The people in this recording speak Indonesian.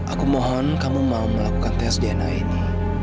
aku mohon kamu mau melakukan tes dna ini